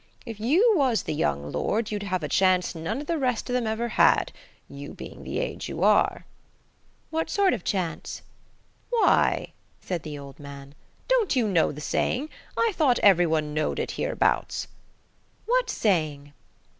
If you was the young lord you'd have a chance none of the rest of them ever had–you being the age you are." "What sort of chance?" "Why," said the old man, "don't you know the saying? I thought every one knowed it hereabouts." "What saying?"